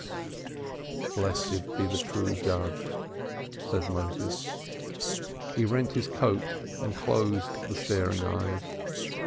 "Blessed be the true Judge," said Moses. He rent his coat, and closed the staring eyes.